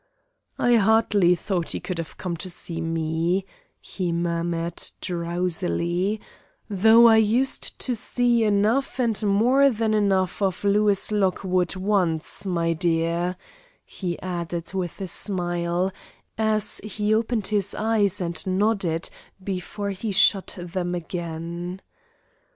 "I hardly thought he could have come to see me," he murmured, drowsily; "though I used to see enough and more than enough of Lewis Lockwood once, my dear," he added with a smile, as he opened his eyes and nodded before he shut them again.